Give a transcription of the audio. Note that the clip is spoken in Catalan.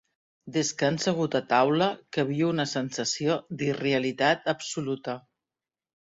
Des que han segut a taula que viu una sensació d'irrealitat absoluta.